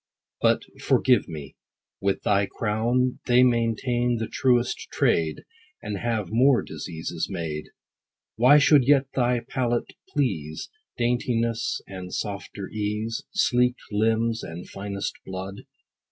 But, forgive me, — with thy crown They maintain the truest trade, 10 And have more diseases made. What should yet thy palate please ? Daintiness, and softer ease, Sleeked limbs, and finest blood